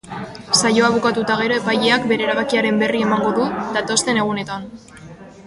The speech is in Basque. Saioa bukatu eta gero, epaileak bere erabakiaren berri emango du datozen egunetan.